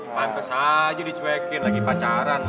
pantes aja dicuekin lagi pacaran